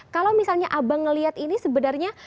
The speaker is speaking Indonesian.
kalau misalnya abang ngelihat ini sebenarnya